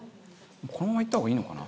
このままいった方がいいのかな？